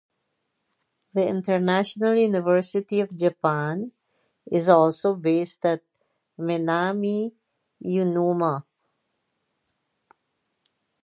The International University of Japan is also based at Minamiuonuma.